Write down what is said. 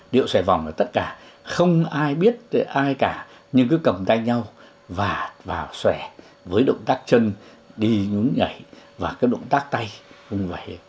điệu xòe vòng là tất cả không ai biết ai cả nhưng cứ cầm tay nhau và vào xòe với động tác chân đi nhúng nhảy và cái động tác tay cũng vậy